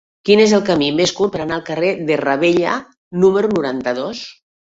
Quin és el camí més curt per anar al carrer de Ravella número noranta-dos?